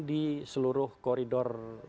di seluruh koridor